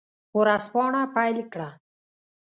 ورځپاڼه پیل کړه.